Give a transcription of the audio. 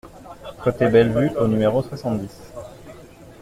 Côte Bellevue au numéro soixante-dix